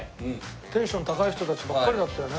テンション高い人たちばっかりだったよね。